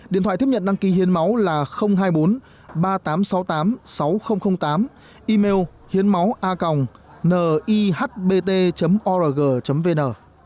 điện thoại tiếp nhận đăng ký hiến máu là hai mươi bốn ba nghìn tám trăm sáu mươi tám sáu nghìn tám email hiếnmáuacongnihbt org vn